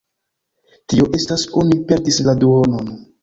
Tio estas oni perdis la duonon.